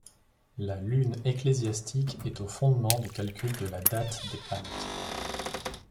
La Lune ecclésiastique est au fondement du calcul de la date des Pâques.